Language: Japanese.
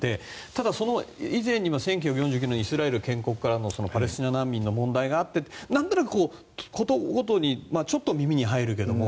ただ、その以前に１９４９年イスラエル建国からのパレスチナ難民の問題があって何となくちょっと耳に入るけども。